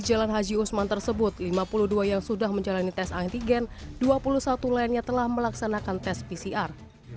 jalan haji usman tersebut lima puluh dua yang sudah menjalani tes antigen dua puluh satu lainnya telah melaksanakan tes pcr